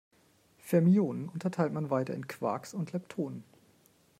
Fermionen unterteilt man weiter in Quarks und Leptonen.